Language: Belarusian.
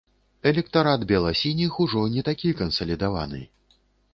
Электарат бела-сініх ужо не такі кансалідаваны.